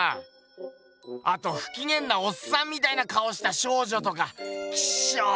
あとふきげんなおっさんみたいな顔をした少女とかキショ！